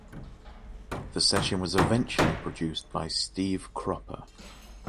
The session was eventually produced by Steve Cropper.